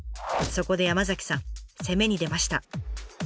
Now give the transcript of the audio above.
そこで山さん攻めに出ました。